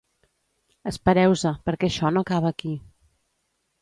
Espereu-se, perquè això no acaba aquí.